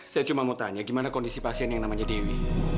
saya cuma mau tanya gimana kondisi pasien yang namanya dewi